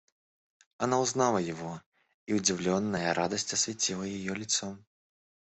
Она узнала его, и удивленная радость осветила ее лицо.